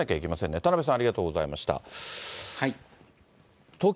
田辺さん、ありがとうございました。